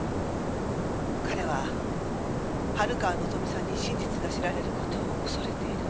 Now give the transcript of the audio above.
彼は春川望さんに真実が知られる事を恐れている。